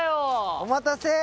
お待たせ。